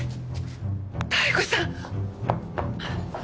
妙子さん！